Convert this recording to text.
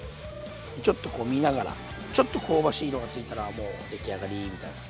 ちょっとこう見ながらちょっと香ばしい色が付いたらもう出来上がりみたいな。